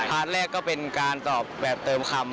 แรกก็เป็นการตอบแบบเติมคำ